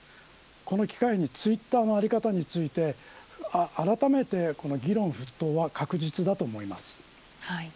この機会にツイッターの在り方についてあらためて議論沸騰は確実だと思います。